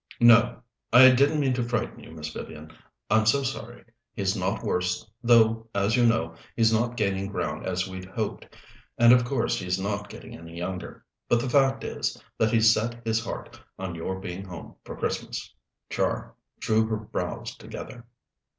"No. I didn't mean to frighten you, Miss Vivian; I'm so sorry. He's not worse, though, as you know, he's not gaining ground as we'd hoped, and of course he's not getting any younger. But the fact is, that he's set his heart on your being home for Christmas." Char drew her brows together.